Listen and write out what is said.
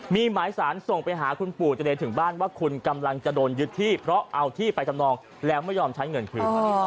มีหมายสารส่งไปหาคุณปู่เจรถึงบ้านว่าคุณกำลังจะโดนยึดที่เพราะเอาที่ไปจำนองแล้วไม่ยอมใช้เงินคืน